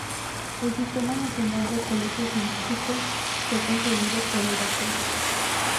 El Sistema Nacional de Colegios Científicos fue concebido por el Dr.